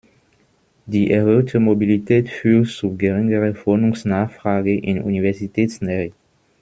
Die erhöhte Mobilität führt zu geringerer Wohnungsnachfrage in Universitätsnähe.